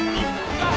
あっ！